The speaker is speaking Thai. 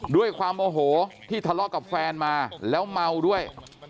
ด้วยความโอโหที่ทะเลาะกับแฟนมาแล้วเมาด้วย